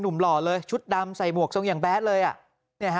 หนุ่มหล่อเลยชุดดำใส่หมวกส่งอย่างแบ๊ดเลยอ่ะเนี่ยฮะ